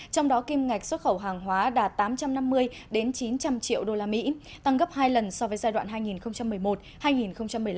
trong đó kim ngạch xuất khẩu hàng hóa đạt tám trăm năm mươi chín trăm linh triệu usd tăng gấp hai lần so với giai đoạn hai nghìn một mươi một hai nghìn một mươi năm